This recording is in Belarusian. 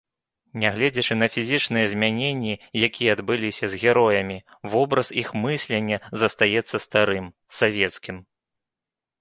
Нягледзячы на фізічныя змяненні, якія адбыліся з героямі, вобраз іх мыслення застаецца старым, савецкім.